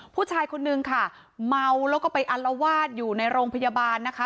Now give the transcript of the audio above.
ผู้ชายคนนึงค่ะเมาแล้วก็ไปอัลวาดอยู่ในโรงพยาบาลนะคะ